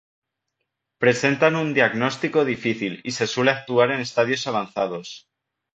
Presentan un diagnóstico difícil y se suele actuar en estadios avanzados.